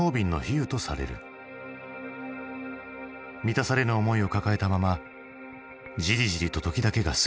満たされぬ思いを抱えたままじりじりと時だけが過ぎてゆく。